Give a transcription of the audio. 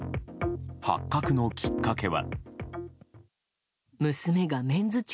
発覚のきっかけは。